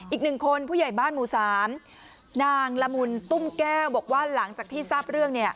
อีกหนึ่งคนผู้ใหญ่บ้านหมู่๓นางละมุนตุ้มแก้วบอกว่าหลังจากที่ทราบเรื่อง